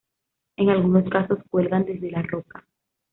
En algunos casos cuelgan desde la roca.